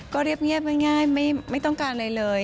ก็เรียบง่ายไม่ต้องการอะไรเลย